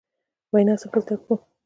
وینا څنګه زدکړو ؟